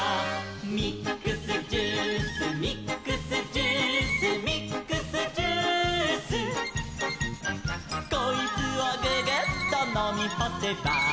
「ミックスジュースミックスジュース」「ミックスジュース」「こいつをググッとのみほせば」